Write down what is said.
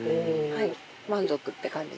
満足って感じですはい。